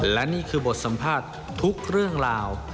และนี่คือบทสัมภาษณ์ทุกเรื่องราว